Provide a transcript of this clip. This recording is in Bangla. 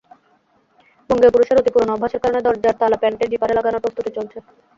বঙ্গীয় পুরুষের অতি পুরোনো অভ্যাসের কারণে দরজার তালা প্যান্টের জিপারে লাগানোর প্রস্তুতি চলছে।